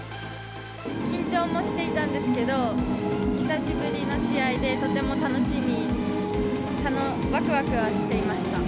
緊張もしていたんですけど、久しぶりの試合で、とても楽しみに、わくわくはしていました。